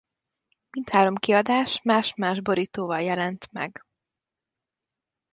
Mindhárom kiadás más-más borítóval jelent meg.